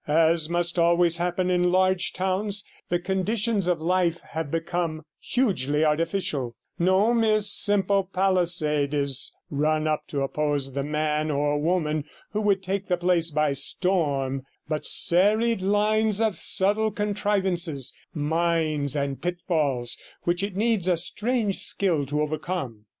As must always happen in large towns, the conditions of life have become hugely artificial, no mere simple palisade is run up to oppose the man or woman who would take the place by storm, but serried lines of subtle contrivances, mines, and pitfalls which it needs a strange skill to overcome.